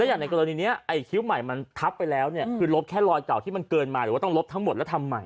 อย่างในกรณีนี้ไอ้คิ้วใหม่มันทับไปแล้วเนี่ยคือลบแค่รอยเก่าที่มันเกินมาหรือว่าต้องลบทั้งหมดแล้วทำใหม่